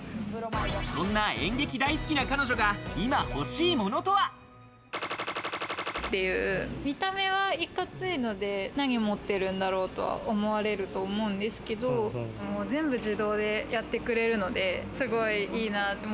そんな演劇大好きな彼女が今欲しいものとは？っていう見た目はいかついので何持ってるんだろうとは思われると思うんですけど、全部自動でやってくれるので、すごいいいなって。